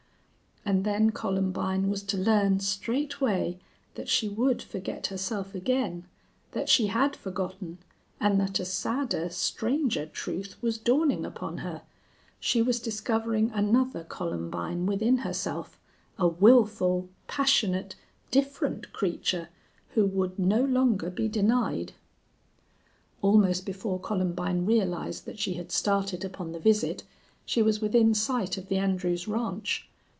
And then Columbine was to learn straightway that she would forget herself again, that she had forgotten, and that a sadder, stranger truth was dawning upon her she was discovering another Columbine within herself, a wilful, passionate, different creature who would no longer be denied. Almost before Columbine realized that she had started upon the visit she was within sight of the Andrews ranch.